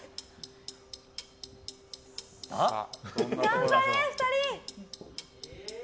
頑張れ、２人！